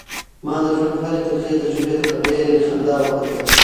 ما د ژوند هرې ترخې تجربې ته په ډېرې خندا وکتل.